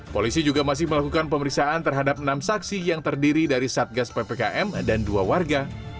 polisi juga masih melakukan pemeriksaan terhadap enam saksi yang terdiri dari satgas ppkm dan dua warga